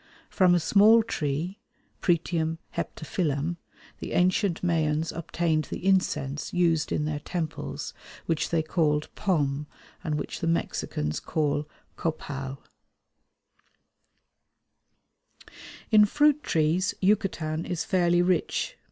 From a small tree (Pretium heptaphyllum) the ancient Mayans obtained the incense used in their temples which they called pom and which the Mexicans call copal. In fruit trees Yucatan is fairly rich.